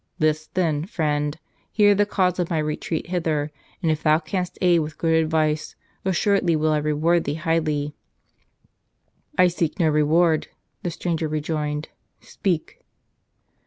"List, then, friend. Hear the cause of my retreat hither, and if thou canst aid with good advice, assured¬ ly will I reward thee highly." "I seek no reward," the stranger rejoined. "Speak."